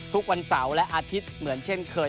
ทุกวันเสาร์และอาทิตย์เหมือนเช่นเคย